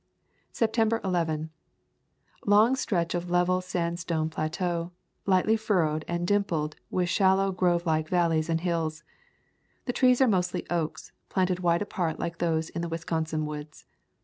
September 11. Long stretch of level sand stone plateau, lightly furrowed and dimpled with shallow groove like valleys and hills. The trees are mostly oaks, planted wide apart like those in the Wisconsin woods.